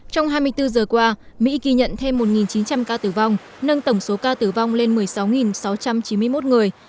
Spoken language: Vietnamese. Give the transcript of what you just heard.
trong hai mươi bốn giờ qua mỹ ghi nhận thêm một chín trăm linh ca tử vong nâng tổng số ca tử vong lên một mươi sáu sáu trăm chín mươi một người